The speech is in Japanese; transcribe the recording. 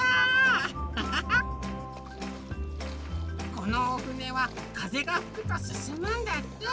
このおふねはかぜがふくとすすむんだって。